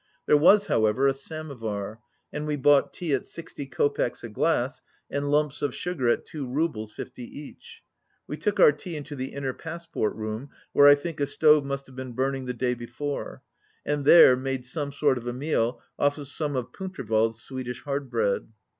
There was, however, a samovar, and we bought tea at sixty kopecks a glass and lumps of sugar at two roubles fifty each. We took our tea into the inner pass port room, where I think a stove must have been burning the day before, and there made some sort of a meal off some of Puntervald's Swedish hard bread.